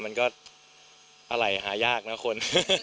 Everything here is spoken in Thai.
มันก็อะไรหายากนะคน